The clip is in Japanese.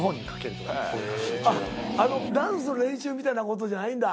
ダンスの練習みたいなことじゃないんだ。